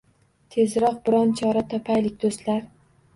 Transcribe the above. Tezroq biron chora topaylik do’stlar